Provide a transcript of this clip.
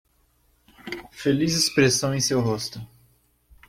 Feliz expressão em seu rosto